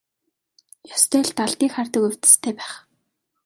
Ёстой л далдыг хардаг увдистай байх.